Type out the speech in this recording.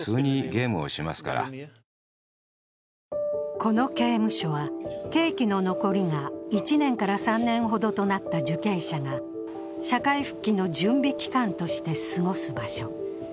この刑務所は、刑期の残りが１年から３年ほどとなった受刑者が社会復帰の準備期間として過ごす場所。